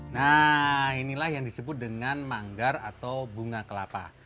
nah inilah yang disebut dengan manggar atau bunga kelapa